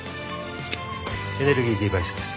エネルギーデバイスです。